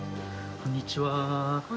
こんにちは。